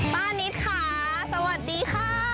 ป้านิดค่ะสวัสดีค่ะ